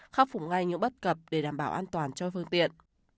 khắc phục ngay những bất cập để đảm bảo an toàn cho phương tiện